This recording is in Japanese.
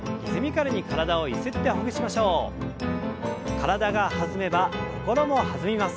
体が弾めば心も弾みます。